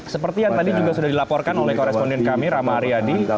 seperti yang tadi juga sudah dilaporkan oleh koresponden kami rama aryadi